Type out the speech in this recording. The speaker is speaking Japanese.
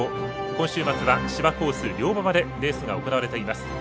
今週末は芝コース、良馬場でレースが行われています。